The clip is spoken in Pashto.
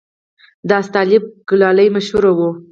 د استالف کلالي مشهوره ده